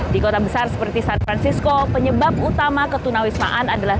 di kota besar seperti san francisco penyebab utama ketunawismaan adalah